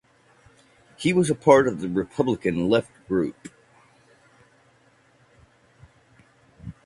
He was part of the Republican Left group.